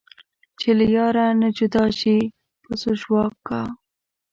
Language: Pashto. چې له یاره نه جدا شي پسو ژواک کا